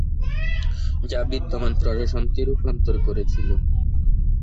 যা বিদ্যমান প্রশাসনকে রূপান্তর করেছিল।